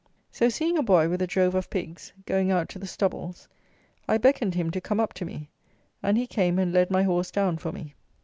So seeing a boy with a drove of pigs, going out to the stubbles, I beckoned him to come up to me; and he came and led my horse down for me.